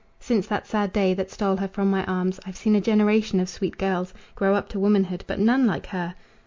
Since that sad day that stole her from my arms I've seen a generation of sweet girls Grow up to womanhood, but none like her!